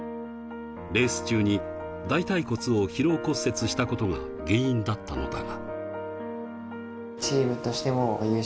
レース中に大腿骨を疲労骨折したことが原因だったのだが。